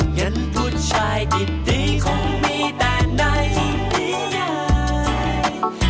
เงินผู้ชายดีคงมีแต่ในพิเศษ